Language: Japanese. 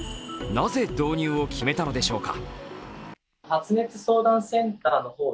なぜ、導入を決めたのでしょうか？